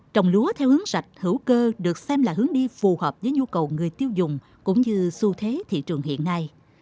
trồng lúa theo hướng sạch hữu cơ được xem là hướng đi phù hợp với nhu cầu người tiêu dùng cũng như xu thế thị trường hiện nay